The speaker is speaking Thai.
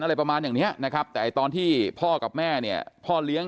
อะไรประมาณอย่างนี้นะครับแต่ตอนที่พ่อกับแม่เนี่ย